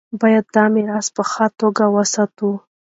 باید دا میراث په ښه توګه وساتو.